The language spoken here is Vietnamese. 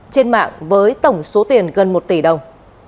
trên mạng với tổng số tiền gần một tỷ đồng